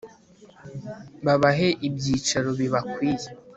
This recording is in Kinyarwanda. Babahe ibyicaro bibakwiye